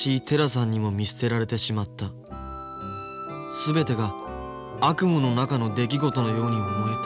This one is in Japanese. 全てが悪夢の中の出来事のように思えた。